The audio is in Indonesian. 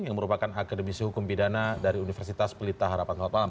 yang merupakan akademisi hukum pidana dari universitas pelita harapan selamat malam